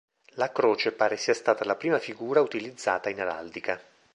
La croce pare sia stata la prima figura utilizzata in araldica.